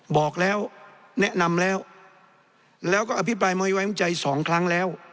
บอกแล้วแนะนำแล้วแล้วก็อภิปรายไม่ไว้วางใจสองครั้งแล้ว